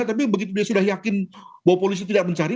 tapi begitu dia sudah yakin bahwa polisi tidak mencari